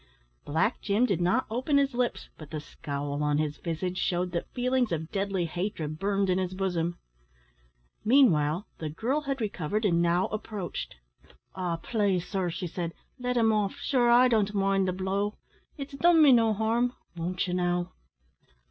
Black Jim did not open his lips, but the scowl on his visage shewed that feelings of deadly hatred burned in his bosom. Meanwhile, the girl had recovered, and now approached. "Ah! plase, sir," she said, "let him off. Shure I don't mind the blow; it's done me no harm won't ye, now?"